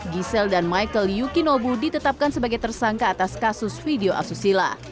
giselle dan michael yukinobu ditetapkan sebagai tersangka atas kasus video asusila